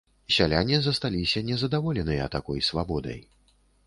Сяляне засталіся незадаволеныя такой свабодай.